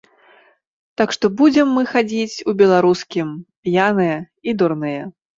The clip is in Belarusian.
Так што будзем мы хадзіць у беларускім, п'яныя і дурныя.